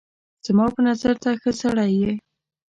زما په نظر ته ښه سړی یې